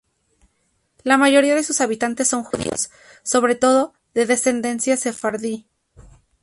La mayoría de sus habitantes son judíos, sobre todo de ascendencia sefardí.